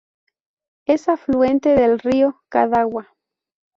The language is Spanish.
Es afluente del río Cadagua.